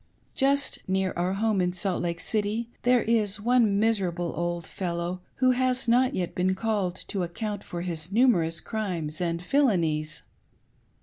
Just near bur home in Salt Lake City, there is one miserable old fellow who has not yet been called to account for his numerous crimes and villainies.